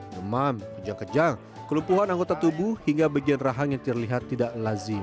demam kejang kejang kelumpuhan anggota tubuh hingga bagian rahang yang terlihat tidak lazim